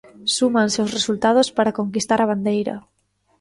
Súmanse os resultados para conquistar a bandeira.